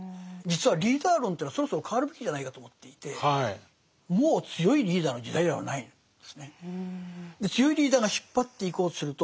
実はリーダー論というのはそろそろ変わるべきじゃないかと思っていてもう強いリーダーの時代ではないんですね。